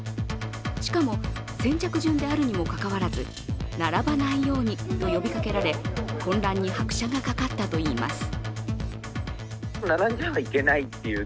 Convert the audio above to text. しかも先着順であるにもかかわらず並ばないようにと呼びかけられ混乱に拍車がかかったといいます。